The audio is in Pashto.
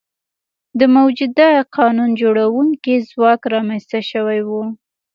د موجوده قانون جوړوونکي ځواک رامنځته شوي وي.